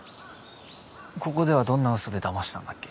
ここではどんなウソでだましたんだっけ？